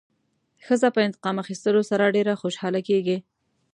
ښځه په انتقام اخیستلو سره ډېره خوشحاله کېږي.